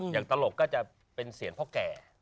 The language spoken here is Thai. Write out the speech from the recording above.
ตลกก็จะเป็นเสียงพ่อแก่